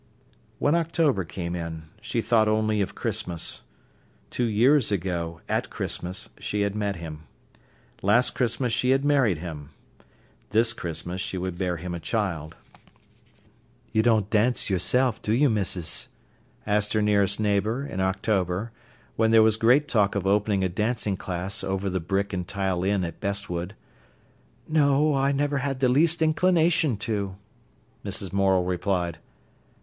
When October came in, she thought only of Christmas. Two years ago, at Christmas, she had met him. Last Christmas she had married him. This Christmas she would bear him a child. "You don't dance yourself, do you, missis?" asked her nearest neighbour, in October, when there was great talk of opening a dancing class over the Brick and Tile Inn at Bestwood. "No—I never had the least inclination to," Mrs. Morel replied.